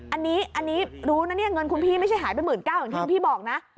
อันนี้รู้นะเนี่ยเงินคุณพี่ไม่ใช่หายไป๑๙๐๐อย่างที่คุณพี่บอกนะ